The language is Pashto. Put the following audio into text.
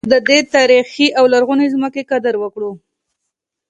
موږ باید د دې تاریخي او لرغونې ځمکې قدر وکړو